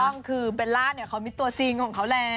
ถูกต้องคือเบลล่าเนี่ยเขามีตัวจริงของเขาแหละ